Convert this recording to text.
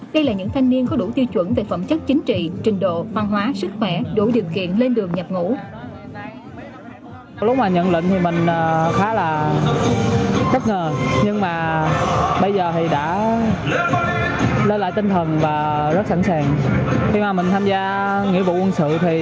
đây là những thanh niên có đủ tiêu chuẩn về phẩm chất chính trị trình độ văn hóa sức khỏe đủ điều kiện lên đường nhập ngũ